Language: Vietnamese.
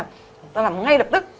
chúng ta làm ngay lập tức